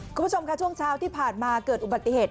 คุณผู้ชมค่ะช่วงเช้าที่ผ่านมาเกิดอุบัติเหตุ